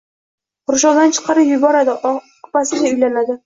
Qurshovdan chiqarib yuboradi, opasiga uylanadi…